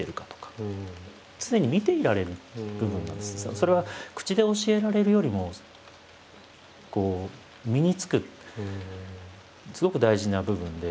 それは口で教えられるよりも身につくすごく大事な部分で。